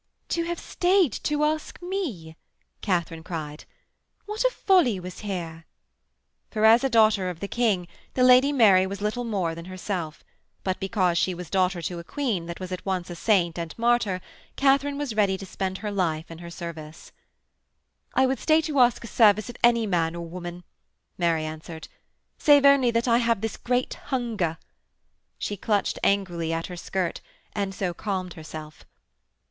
'To have stayed to ask me!' Katharine cried. 'What a folly was here!' For, as a daughter of the King, the Lady Mary was little more than herself; but because she was daughter to a queen that was at once a saint and martyr, Katharine was ready to spend her life in her service. 'I would stay to ask a service of any man or woman,' Mary answered, 'save only that I have this great hunger.' She clutched angrily at her skirt, and so calmed herself.